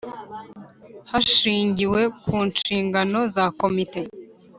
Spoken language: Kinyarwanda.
hashingiwe ku nshingano za komite